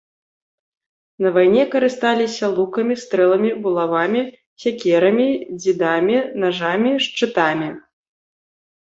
На вайне карысталіся лукамі, стрэламі, булавамі, сякерамі, дзідамі, нажамі, шчытамі.